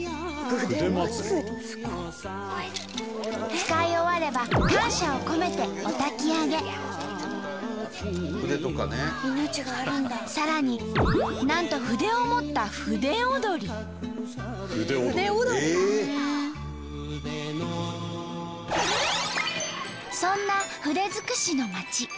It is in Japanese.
使い終われば感謝を込めてさらになんと筆を持ったそんな筆づくしの町。